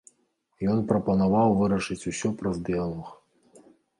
Ён прапанаваў вырашыць усё праз дыялог.